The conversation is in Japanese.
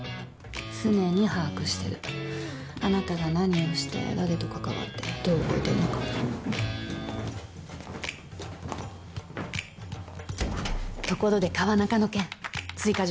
常に把握してるあなたが何をして誰と関わってどう動いてるのかところで川中の件追加